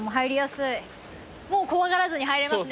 もう怖がらずに入れますね。